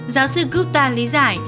giáo sư gupta lý giải